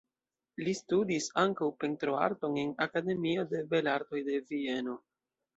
Li studis ankaŭ pentroarton en Akademio de Belartoj de Vieno.